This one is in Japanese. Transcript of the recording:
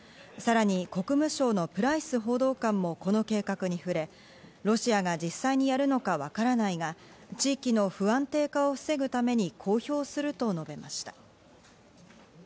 さらに国務省のプライス報道官もこの計画に触れ、ロシアが実際にやるのかわからないが、地域の不安定化を防ぐために公表すると述べました。